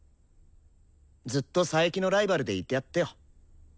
ずっと佐伯のライバルでいてやってよ。